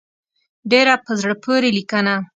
ډېره په زړه پورې لیکنه.